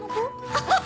アハハ！